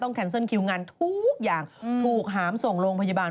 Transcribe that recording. แคนเซิลคิวงานทุกอย่างถูกหามส่งโรงพยาบาล